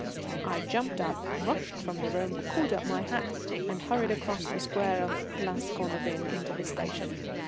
I jumped up, rushed from the room, caught up my hat, and hurried across the Square of Place Cornavin into the station.